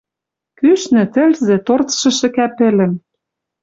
Кӱшнӹ тӹлзӹ торцшы шӹкӓ пӹлӹм